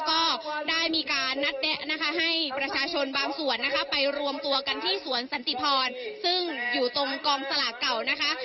ก็ได้มีการนัดแนะนะคะให้ประชาชนบางส่วนนะคะไปรวมตัวกันที่สวนสันติพรซึ่งอยู่ตรงกองสลากเก่านะคะ